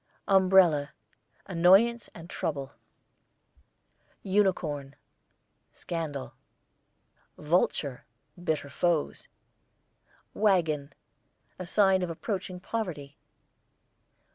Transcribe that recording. UMBRELLA, annoyance and trouble. UNICORN, scandal. VULTURE, bitter foes. WAGON, a sign of approaching poverty.